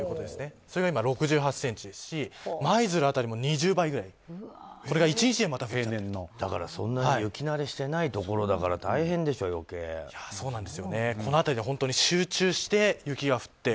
それが今、６８ｃｍですし舞鶴辺りも２０倍くらい雪慣れしてないところだからこの辺り集中して雪が降っている。